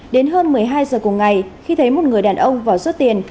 đến hơn một mươi hai h cùng ngày khi thấy một người đàn ông vào rút tiền